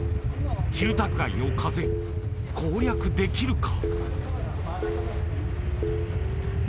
住宅街の風攻略できるか？